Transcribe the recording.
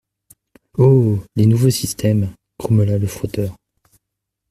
Oh ! les nouveaux systèmes …» grommela le frotteur.